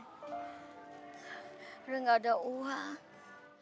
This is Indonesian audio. udah gak ada uang